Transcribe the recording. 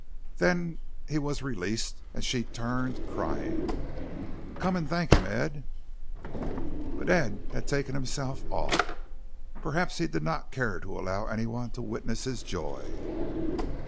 Then he was released and she turned, crying: "Come and thank him, Ed!" But Ed had taken himself off perhaps he did not care to allow anyone to witness his joy.